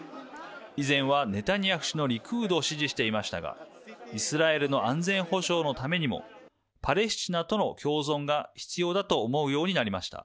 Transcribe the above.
以前はネタニヤフ氏のリクードを支持していましたがイスラエルの安全保障のためにもパレスチナとの共存が必要だと思うようになりました。